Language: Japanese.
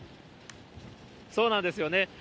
そうなんですよね。